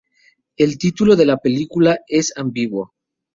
El título de la película es ambiguo.